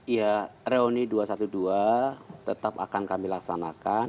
ya reuni dua ratus dua belas tetap akan kami laksanakan